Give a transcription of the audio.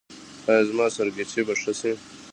ایا زما سرگیچي به ښه شي؟